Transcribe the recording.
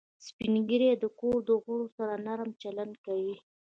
سپین ږیری د کور د غړو سره نرم چلند کوي